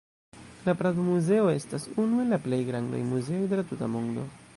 La Prado-Muzeo estas unu el la plej grandaj muzeoj de la tuta mondo.